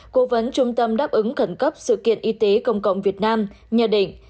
cố vấn trung tâm đáp ứng cẩn cấp sự kiện y tế công cộng việt nam nhận định